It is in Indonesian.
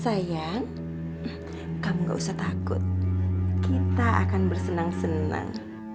sayang kamu gak usah takut kita akan bersenang senang